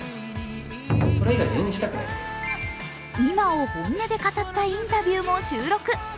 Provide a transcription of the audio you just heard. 今を本音で語ったインタビューも収録。